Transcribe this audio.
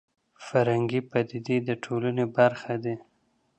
فرهنګي پدیدې د ټولنې برخه دي